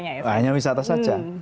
hanya untuk wisata saja